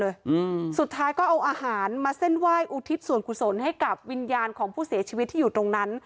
อืมสุดท้ายก็เอาอาหารมาเส้นไหว้อุทิศส่วนกุศลให้กับวิญญาณของผู้เสียชีวิตที่อยู่ตรงนั้น